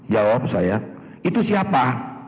jawab saya itu siapa